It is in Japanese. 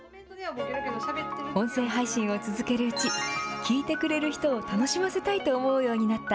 音声配信を続けるうち、聞いてくれる人を楽しませたいと思うようになった